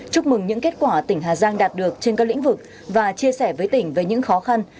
chúc mừng những kết quả tỉnh hà giang đạt được trên các lĩnh vực và chia sẻ với tỉnh về những khó khăn